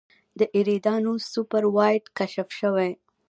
د ایریدانوس سوپر وایډ کشف شوی.